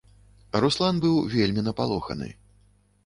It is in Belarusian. Руслан быў вельмі напалоханы.